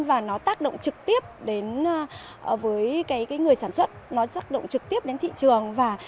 và tác động trực tiếp với người sản xuất tác động trực tiếp đến thị trường